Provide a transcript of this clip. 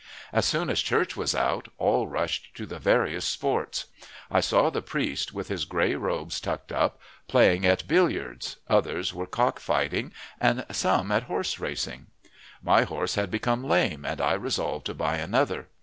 As soon as church was out, all rushed to the various sports. I saw the priest, with his gray robes tucked up, playing at billiards, others were cock fighting, and some at horse racing. My horse had become lame, and I resolved to buy another.